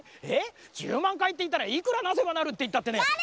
えっ１０まんかいっていったらいくらなせばなるっていったってね。